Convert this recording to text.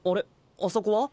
あそこは？